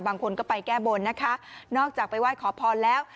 บางคนก็ไปแก้บนนะคะนอกจากไปไหว้ขอพรแล้ว